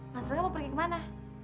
mas rangga mau pergi kemana